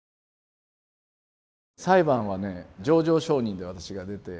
裁判はね情状証人で私が出て。